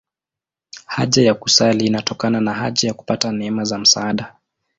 Haja ya kusali inatokana na haja ya kupata neema za msaada.